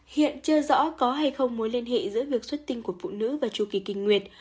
hiện chưa rõ có hay không mối liên hệ giữa việc xuất tinh của phụ nữ và chu kỳ kinh nguyệt